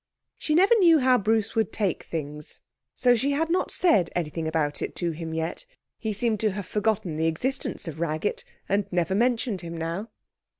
She never knew how Bruce would take things, so she had not said anything about it to him yet. He seemed to have forgotten the existence of Raggett, and never mentioned him now.